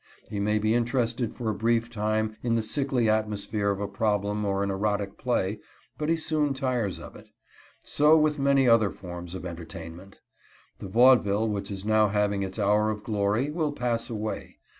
He may be interested for a brief time in the sickly atmosphere of a problem or an erotic play, but he soon tires of it. So with many other forms of entertainment. The vaudeville which is now having its hour of glory will pass away.